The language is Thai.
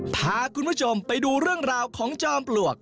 พาคุณผู้ชมไปดูเรื่องราวของจอมปลวก